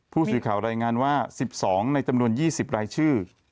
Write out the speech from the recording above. ผู้สื่อข่าวรายงานว่า๑๒ในจำนวน๒๐รายชื่อ